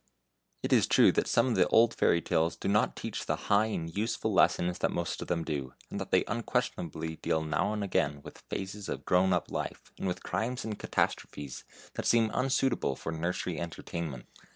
It is true that some of the old fairy tales do not teach the high and useful lessons that most of them do; and that they unquestionably deal now and again with phases of grown up life, and with crimes and catastrophes, that seem unsuitable for nursery entertainment.